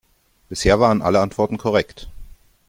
Bisher waren alle Antworten korrekt.